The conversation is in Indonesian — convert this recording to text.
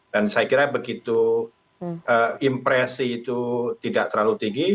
dan saya kira begitu impresi itu tidak terlalu tinggi